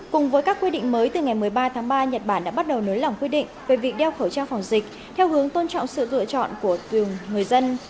cùng với các quy định mới từ ngày một mươi ba tháng ba nhật bản đã bắt đầu nới lỏng quy định về việc đeo khẩu trang phòng dịch theo hướng tôn trọng sự lựa chọn của người dân